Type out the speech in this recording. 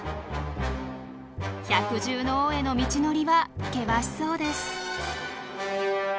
百獣の王への道のりは険しそうです。